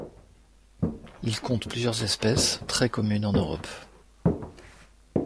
Il compte plusieurs espèces très communes en Europe.